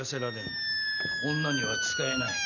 女には使えない。